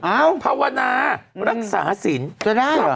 เอ้าภาวนารักษาสินจะได้หรอ